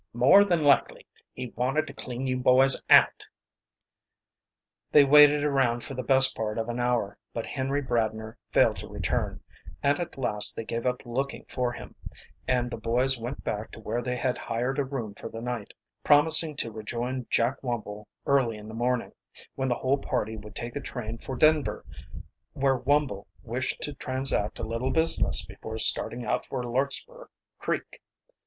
More than likely he wanted to clean you boys out." They waited around for the best part of an hour, but Henry Bradner failed to return, and at last they gave up looking for him, and the boys went back to where they had hired a room for the night, promising to rejoin Jack Wumble early in the morning, when the whole party would take a train for Denver, where Wumble wished to transact a little business before starting out for Larkspur Creek.